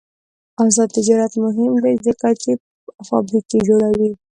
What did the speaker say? آزاد تجارت مهم دی ځکه چې فابریکې جوړوي.